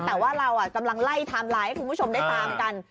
แต่ว่าเรากำลังไล่ไทม์ไลน์ให้คุณผู้ชมได้ตามกัน